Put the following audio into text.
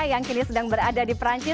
yang kini sedang berada di perancis